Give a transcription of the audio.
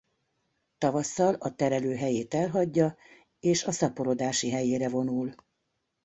Tavasszal a telelőhelyét elhagyja és a szaporodási helyére vonul.